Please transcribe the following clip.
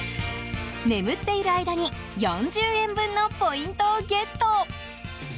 眠っている間に４０円分のポイントをゲット。